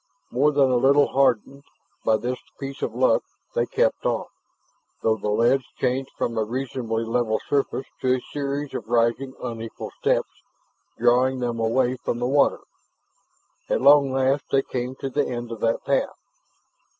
More than a little heartened by this piece of luck, they kept on, though the ledge changed from a reasonably level surface to a series of rising, unequal steps, drawing them away from the water. At long last they came to the end of that path.